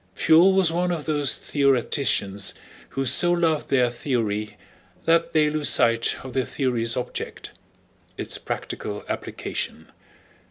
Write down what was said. Pfuel was one of those theoreticians who so love their theory that they lose sight of the theory's object—its practical application.